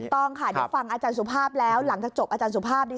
ต้องค่ะได้ฟังอาจารย์สุภาพแล้วหลังจากจบอาจารย์สุภาพดิ